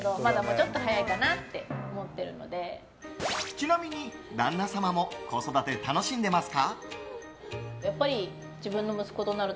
ちなみに旦那様も子育て楽しんでますか？